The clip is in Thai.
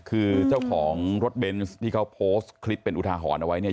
คือเจ้าของรถเบนส์ที่เขาโพสต์คลิปเป็นอุทาหรณ์เอาไว้เนี่ย